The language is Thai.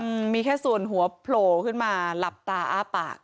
อืมมีแค่ส่วนหัวโผล่ขึ้นมาหลับตาอ้าปาก